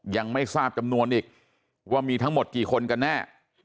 ยังไม่ทราบจำนวนอีกว่ามีทั้งหมดกี่คนกันแน่